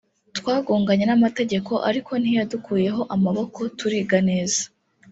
twagoganye n’amategeko ariko ntiyadukuyeho amaboko turiga neza